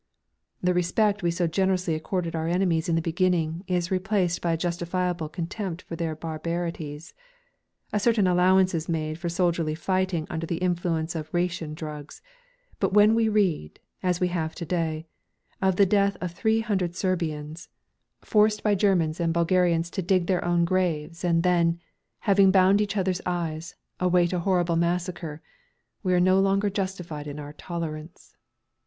The respect we so generously accorded our enemies in the beginning is replaced by a justifiable contempt for their barbarities. A certain allowance is made for soldiery fighting under the influence of ration drugs, but when we read, as we have to day, of the death of three hundred Serbians, forced by Germans and Bulgarians to dig their own graves and then, having bound each other's eyes, await a horrible massacre, we are no longer justified in our tolerance.